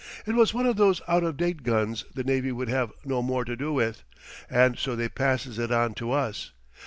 It was one of those out of date guns the navy would have no more to do with, and so they passes it on to us.